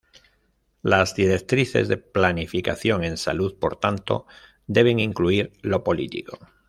Las directrices de planificación en salud, por tanto, deben incluir lo político.